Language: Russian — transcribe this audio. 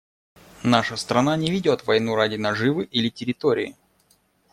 «Наша страна не ведет войну ради наживы или территории.